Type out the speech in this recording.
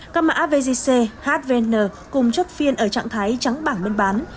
các mã avgc hvn cùng chất phiên ở trạng thái trắng bảng bên bán